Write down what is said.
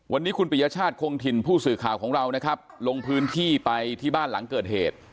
วันนี้คุณปริยชาติคงถิ่นผู้สื่อข่าวของเรานะครับลงพื้นที่ไปที่บ้านหลังเกิดเหตุ